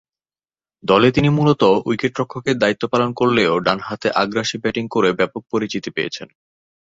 দলে তিনি মূলতঃ উইকেট-রক্ষকের দায়িত্ব পালন করলেও ডানহাতে আগ্রাসী ব্যাটিং করে ব্যাপক পরিচিতি পেয়েছেন।